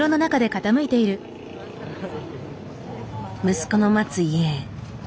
息子の待つ家へ。